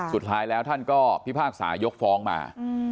สุดท้ายแล้วท่านก็พิพากษายกฟ้องมา